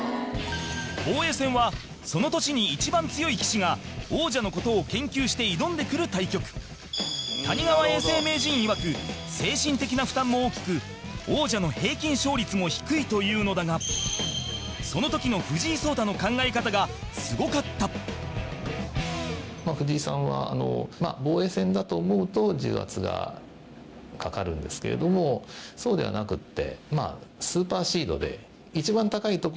防衛戦はその年に一番強い棋士が王者の事を研究して挑んでくる対局谷川永世名人いわく精神的な負担も大きく王者の平均勝率も低いというのだがその時の藤井聡太の考え方がすごかった藤井さんは、防衛戦だと思うと重圧がかかるんですけれどもそうではなくて。